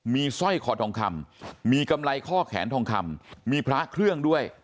มีสร้อยคอทองคำมีกำไรข้อแขนทองคำมีพระเครื่องด้วย